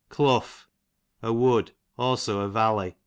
Clough, a wood; also a valley.